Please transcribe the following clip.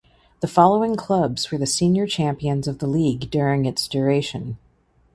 The following clubs were the senior champions of the league during its duration.